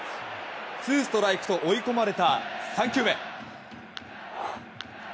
ツーストライクと追い込まれた３球目。